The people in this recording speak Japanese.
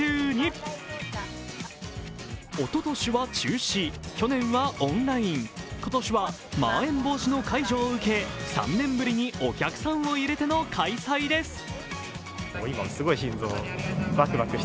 おととしは中止、去年はオンライン今年はまん延防止の解除を受け、３年ぶりにお客さんを入れての開催です。